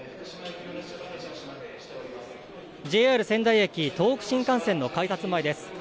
ＪＲ仙台駅、東北新幹線の改札前です。